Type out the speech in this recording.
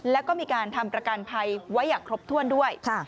แล้วก็มีการทำประกันภัยไว้อย่างครบถ้วนด้วย